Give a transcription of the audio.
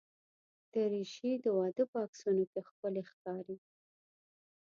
دریشي د واده په عکسونو کې ښکلي ښکاري.